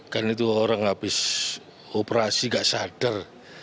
karena itu orang habis operasi gak sadar